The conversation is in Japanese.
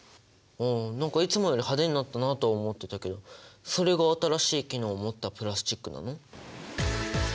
あ何かいつもより派手になったなとは思ってたけどそれが新しい機能を持ったプラスチックなの？